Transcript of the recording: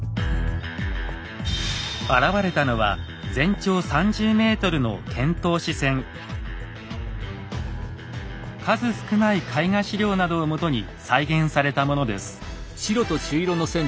現れたのは数少ない絵画史料などをもとに再現されたものです。